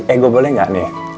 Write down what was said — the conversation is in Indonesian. eh gue boleh gak nih